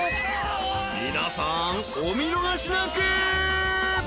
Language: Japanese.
皆さんお見逃しなく！］